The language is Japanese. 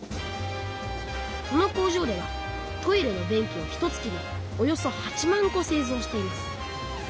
この工場ではトイレの便器をひとつきにおよそ８万こせいぞうしています。